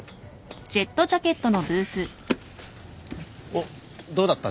おっどうだった？